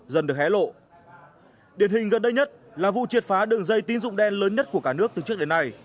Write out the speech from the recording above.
dần được hé lộ điển hình gần đây nhất là vụ triệt phá đường dây tín dụng đen lớn nhất của cả nước từ trước đến nay